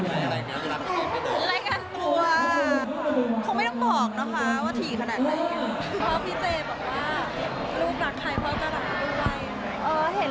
ฉะนั้นเราก็ต้องผ่านไปให้ได้